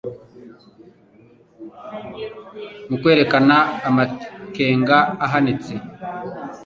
Mu kwerekana amakenga ahanitse,